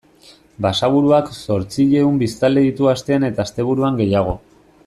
Basaburuak zortziehun biztanle ditu astean eta asteburuan gehiago.